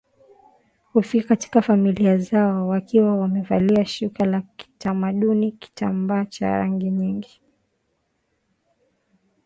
Hufika katika familia zao wakiwa wamevalia shuka la kitamaduni kitambaa cha rangi nyingi